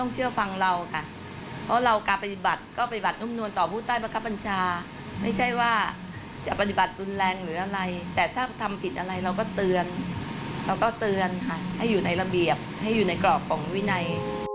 เราก็เตือนให้อยู่ในระเบียบให้อยู่ในกรอกของวินัย